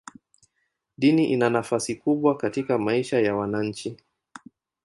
Dini ina nafasi kubwa katika maisha ya wananchi.